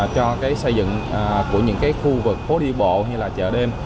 cho xây dựng của những cái khu vực phố đi bộ như là chợ đêm